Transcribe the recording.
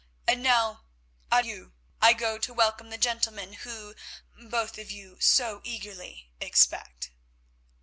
And now, adieu, I go to welcome the gentleman you both of you so eagerly expect."